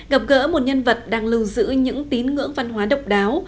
gặp gỡ một nhân vật đang lưu giữ những tín ngưỡng văn hóa độc đáo